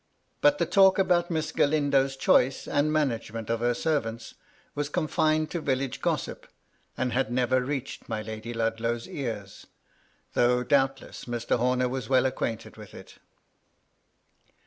But the talk about Miss Gralindo's choice and ma nagement of her servants was confined to village gossip, and had never reached my Lady Ludlow's ears, though doubtless Mr. Homer was well acquainted with it.